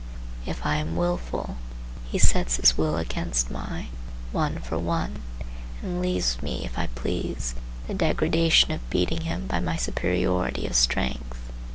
If I am wilful, he sets his will against mine, one for one, and leaves me, if I please, the degradation of beating him by my superiority of strength.